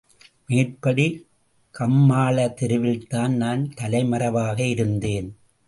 மேற்படி கம்மாள தெருவில்தான் நான் தலைமறைவாக இருந்தேன்.